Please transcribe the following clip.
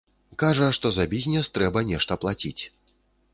Кажа, што за бізнес трэба нешта плаціць.